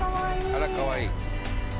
あらかわいい。